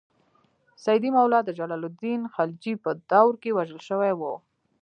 سیدي مولا د جلال الدین خلجي په دور کې وژل شوی و.